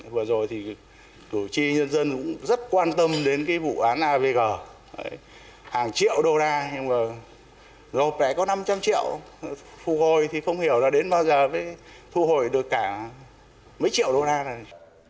vừa rồi thì cử tri nhân dân cũng rất quan tâm đến cái vụ án avg hàng triệu đô la nhưng mà lộp lẽ có năm trăm linh triệu thu hồi thì không hiểu là đến bao giờ mới thu hồi được cả mấy triệu đô la này